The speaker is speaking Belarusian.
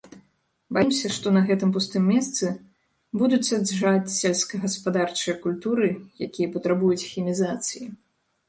Баімся, што на гэтым пустым месцы будуць саджаць сельскагаспадарчыя культуры, якія патрабуюць хімізацыі.